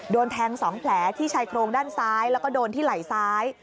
โดนแทง๒แผลที่ชายโครงด้านซ้ายแล้วก็โดนที่ไหล่ซ้าย